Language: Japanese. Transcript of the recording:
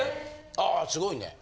ああすごいね。